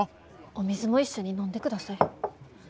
お水も一緒に飲んでください。